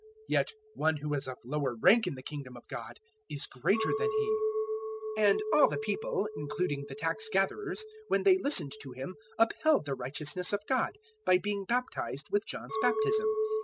Yet one who is of lower rank in the Kingdom of God is greater than he. 007:029 And all the people, including the tax gatherers, when they listened to him upheld the righteousness of God, by being baptized with John's baptism.